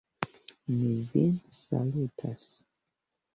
Ni vin salutas!